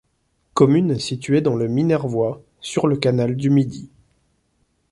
Commune située dans le Minervois, sur le canal du Midi.